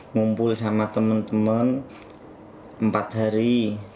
ngumpul sama teman teman empat hari